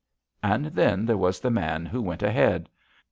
And then there was the Man Who Went Ahead.